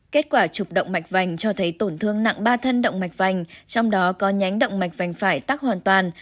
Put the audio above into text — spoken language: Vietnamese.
kết quả chụp động mạch vành cho thấy tổn thương nặng ba thân động mạch vành trong đó có nhánh động mạch vành phải tắc hoàn toàn